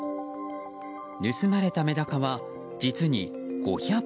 盗まれたメダカは実に５００匹。